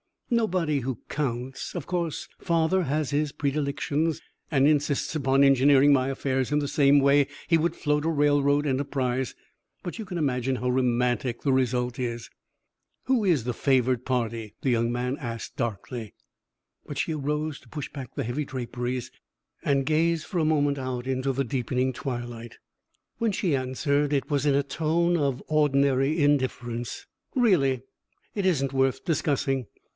"Nobody who counts. Of course, father has his predilections and insists upon engineering my affairs in the same way he would float a railroad enterprise, but you can imagine how romantic the result is." "Who is the favored party?" the young man asked, darkly. But she arose to push back the heavy draperies and gaze for a moment out into the deepening twilight. When she answered, it was in a tone of ordinary indifference. "Really it isn't worth discussing.